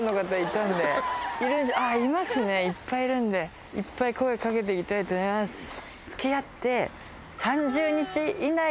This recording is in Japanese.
いますねいっぱいいるんでいっぱい声掛けて行きたいと思います！